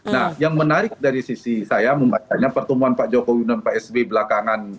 nah yang menarik dari sisi saya membacanya pertemuan pak jokowi dan pak sby belakangan